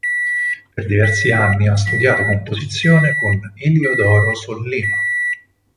Per diversi anni ha studiato composizione con Eliodoro Sollima.